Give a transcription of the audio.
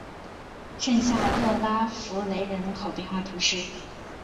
圣夏勒拉福雷人口变化图示